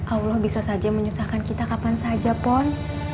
allah bisa saja menyusahkan kita kapan saja pon